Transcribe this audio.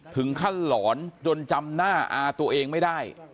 ถึงขั้นหลอนจนจำหน้าอาตัวเองไม่ได้